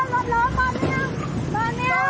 บอลไม่เอา